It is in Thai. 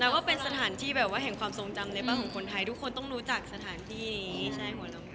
แต่นั่นก็เป็นสถานที่แบบแห่งความทรงจำของคนไทยทุกคนต้องรู้จักสถานที่นี้